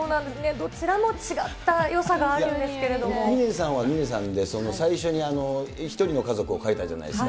どちらも違峰さんは峰さんで、その、最初にひとりの家族を描いたじゃないですか。